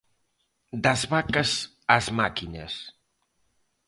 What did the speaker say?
Das vacas ás máquinas.